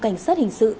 cảnh sát hình sự